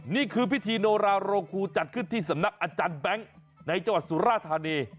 นี่คือพิธีโนราโรคูจัดขึ้นที่สำนักอาจารย์แบงค์ในจังหวัดสุราธานี